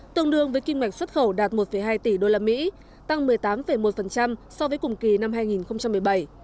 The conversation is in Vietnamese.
tương đương với kim ngạch xuất khẩu đạt một hai tỷ usd tăng một mươi tám một so với cùng kỳ năm hai nghìn một mươi bảy